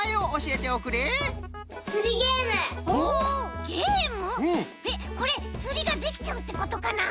えっこれつりができちゃうってことかな？